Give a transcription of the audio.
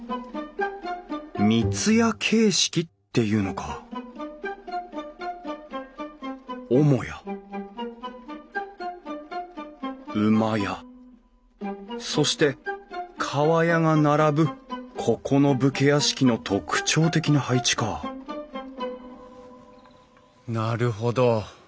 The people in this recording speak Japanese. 三ツ屋形式っていうのかそして厠が並ぶここの武家屋敷の特徴的な配置かなるほど。